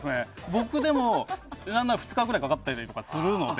僕でも２日ぐらいかかったりするので。